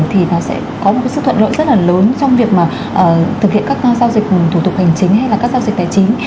thì nó sẽ có một sự thuận lợi rất là lớn trong việc mà thực hiện các giao dịch thủ tục hành chính hay là các giao dịch tài chính